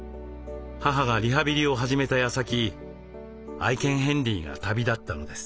母がリハビリを始めたやさき愛犬ヘンリーが旅立ったのです。